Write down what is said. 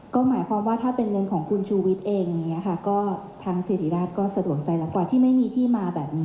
ก็หมายความว่าถ้าเป็นเงินของคุณชูวิตเองทางเศรษฐิราชก็สะดวกใจแล้วกว่าที่ไม่มีที่มาแบบนี้